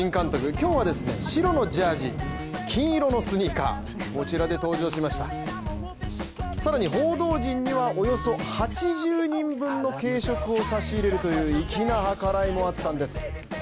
今日はですね、白のジャージ金色のスニーカーで登場しましたさらに報道陣にはおよそ８０人分の軽食を差し入れるという粋な計らいもあったんです